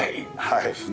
はい。